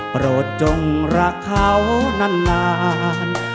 โปรดจงรักเขานาน